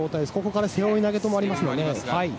ここから背負い投げもあります。